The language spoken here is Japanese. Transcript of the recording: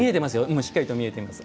今、しっかりと見えています。